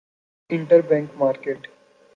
inter bank market